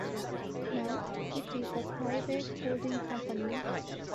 Now it is a private holding company.